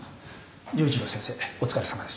城一郎先生お疲れさまです。